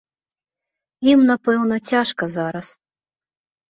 Ім, напэўна, цяжка зараз.